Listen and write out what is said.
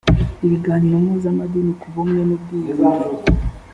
ibiganiro mpuzamadini ku bumwe n ubwiyunge